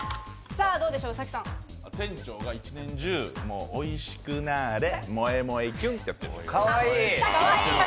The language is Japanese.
店長が一年中、美味しくなあれ、萌え萌えキュンってやってる。